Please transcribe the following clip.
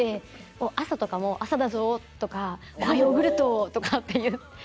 朝とかも「朝だゾ」とか「おはヨーグルト」とかって。